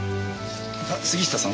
あっ杉下さん。